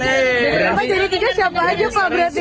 bapak jadi tiga siapa aja pak berarti